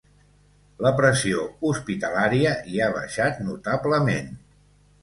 La pressió hospitalària hi ha baixat notablement.